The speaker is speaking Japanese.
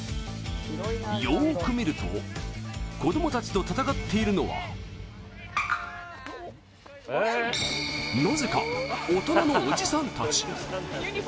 よーく見ると、子供たちと戦っているのはなぜか、大人のおじさんたち。